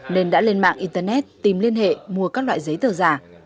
nên đã lên mạng internet tìm liên hệ mua các loại giấy tờ giả